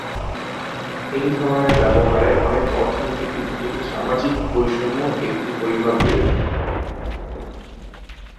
এই ধরনের ব্যবহারে, অনেক অর্থনীতিবিদ এটি সামাজিক বৈষম্য একটি পরিমাপ বিবেচনা।